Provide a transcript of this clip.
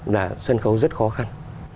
là sân khấu rất khó khăn